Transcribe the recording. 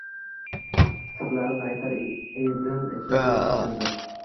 Sirlarimni aytar edim ichim tulib ketganda